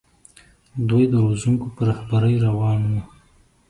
دوی د روزونکو په رهبرۍ روان وو.